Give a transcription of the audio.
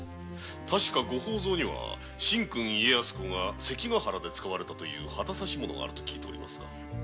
確か御宝蔵には神君家康公が関ヶ原で使われたという旗指物があると聞いてますが？